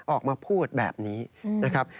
ออกมาพูดแบบนี้นะครับ